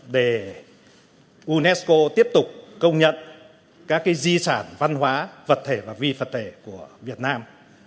để unesco tiếp tục công nhận các di sản văn hóa vật thể và phi vật thể của việt nam